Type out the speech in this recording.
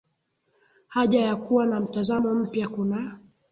haja ya kuwa na mtazamo mpya kuna